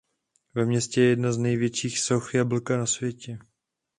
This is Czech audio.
Ve městě je jedna z největších soch jablka na světě.